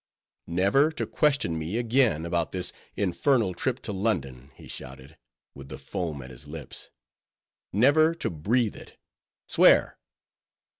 "Never to question me again about this infernal trip to London!" he shouted, with the foam at his lips—"never to breathe it! swear!"